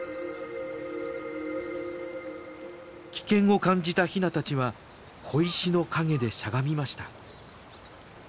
危険を感じたヒナたちは小石の陰でしゃがみました。